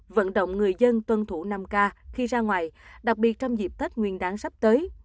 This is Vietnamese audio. vận động người dân tuân thủ năm k khi ra ngoài đặc biệt trong dịp tết nguyên đáng sắp tới